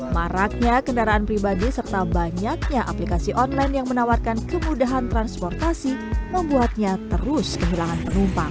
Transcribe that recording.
maraknya kendaraan pribadi serta banyaknya aplikasi online yang menawarkan kemudahan transportasi membuatnya terus kehilangan penumpang